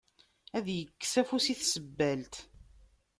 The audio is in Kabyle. Ad ikkes afus i tsebbalt.